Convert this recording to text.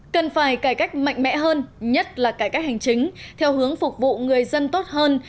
cần phải cải cách mạnh mẽ hơn nhất là cải cách hành chính theo hướng phục vụ người dân tốt hơn